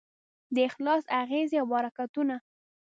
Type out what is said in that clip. د اخلاص اغېزې او برکتونه